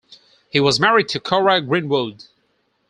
He was married to Cora Greenwood.